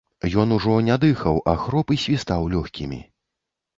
Ён ужо не дыхаў, а хроп і свістаў лёгкімі.